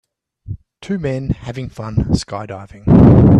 Two men having fun skydiving.